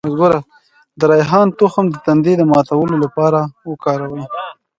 د ریحان تخم د تندې د ماتولو لپاره وکاروئ